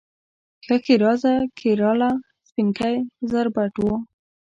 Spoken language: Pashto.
ښه ښېرازه کیراله، سپینکۍ زربټ و